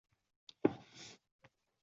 – O‘zi, sizga qanaqa jiyan bu bola?